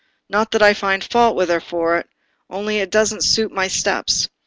Not that I find fault with her for it, only it doesn't suit my steps.